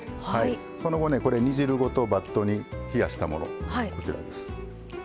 その後、煮汁ごとバットに冷やしたもの。